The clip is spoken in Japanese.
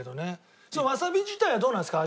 わさび自体はどうなんですか？